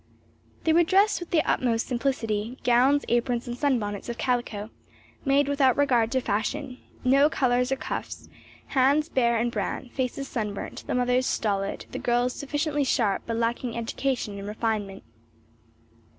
They were dressed with the utmost simplicity gowns, aprons and sunbonnets of calico, made without regard to fashion; no collars or cuffs; hands bare and brown; faces sunburnt, the mother's stolid, the girl's sufficiently sharp but lacking education and refinement.